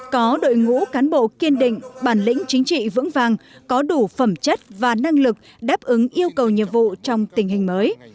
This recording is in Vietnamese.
có đội ngũ cán bộ kiên định bản lĩnh chính trị vững vàng có đủ phẩm chất và năng lực đáp ứng yêu cầu nhiệm vụ trong tình hình mới